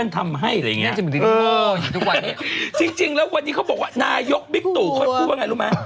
ทุกวันนี้เขาห่วงอิงบี่เนี่ย